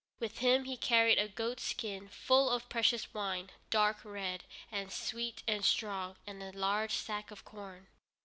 With him he carried a goat skin full of precious wine, dark red, and sweet and strong, and a large sack of corn.